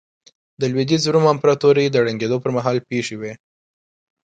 د لوېدیځ روم امپراتورۍ د ړنګېدو پرمهال پېښې وې